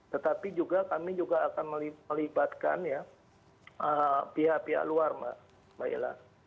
tetapi juga kami juga akan melibatkan pihak pihak luar mbak ila